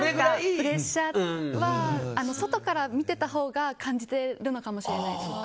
プレッシャーは外から見てたほうが感じてるのかもしれないです。